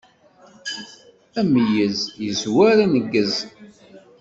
Ameyyez yezwar aneggez.